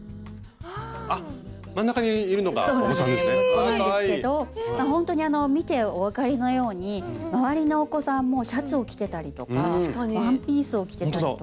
息子なんですけどほんとに見てお分かりのように周りのお子さんもシャツを着てたりとかワンピースを着てたりとか。